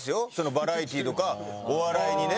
バラエティーとかお笑いにね。